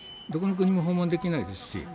どこの国も訪問できないですし。